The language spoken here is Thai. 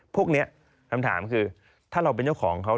พวกนี้คำถามคือถ้าเราเป็นเจ้าของเขา